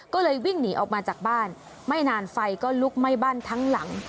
ก็เลยวิ่งหนีออกมาจากบ้านไม่นานไฟก็ลุกไหม้บ้านทั้งหลัง